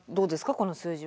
この数字は。